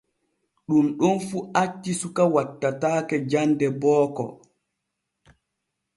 Ɗun ɗon fu acci suka wattataake jande booko.